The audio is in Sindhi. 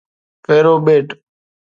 فيرو ٻيٽ